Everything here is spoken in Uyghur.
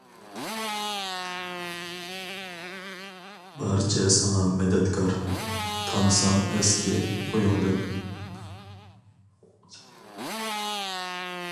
بارچە ساڭا مەدەتكار، تانساڭ ئەسكى خۇيۇڭدىن.